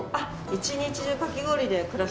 一日中かき氷で暮らして。